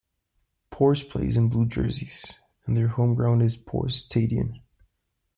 Pors plays in blue jerseys, and their home ground is Pors Stadion.